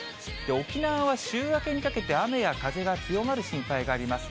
沖縄は週明けにかけて雨や風が強まる心配があります。